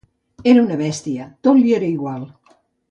Era un bèstia, tot li era igual.